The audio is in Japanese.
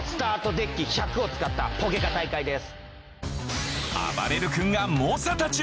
デッキ１００を使ったポケカ大会です。